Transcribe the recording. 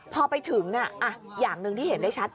พอไปถึงอย่างหนึ่งที่เห็นได้ชัด